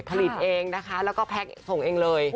ผลิตเองนะคะแล้วก็แพ็คส่งเองเลย